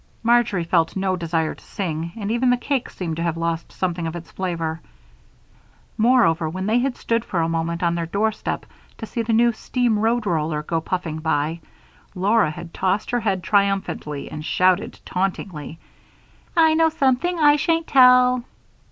Marjory felt no desire to sing, and even the cake seemed to have lost something of its flavor. Moreover, when they had stood for a moment on their doorstep to see the new steam road roller go puffing by, Laura had tossed her head triumphantly and shouted tauntingly: "I know something I shan't tell!"